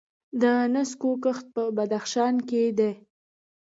د نسکو کښت په بدخشان کې دی.